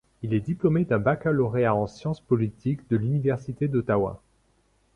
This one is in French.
Il est diplômé d'un baccalauréat en science politique de l'Université d'Ottawa.